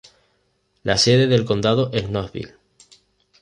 La sede del condado es Knoxville.